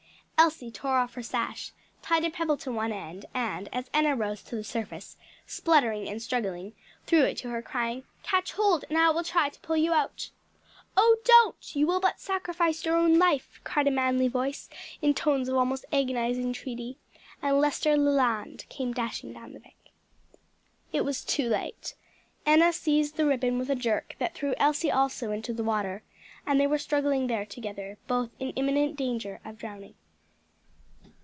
Elsie tore off her sash, tied a pebble to one end, and as Enna rose to the surface, spluttering and struggling, threw it to her crying, "Catch hold and I will try to pull you out." "Oh, don't! you will but sacrifice your own life!" cried a manly voice, in tones of almost agonized entreaty, and Lester Leland came dashing down the bank. It was too late; Enna seized the ribbon with a jerk that threw Elsie also into the water, and they were struggling there together, both in imminent danger of drowning.